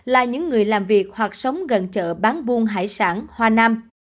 là những người làm việc hoặc sống gần chợ bán buôn hải sản hoa nam